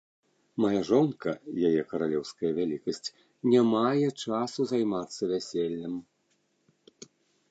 Мая жонка, яе каралеўская вялікасць, не мае часу займацца вяселлем.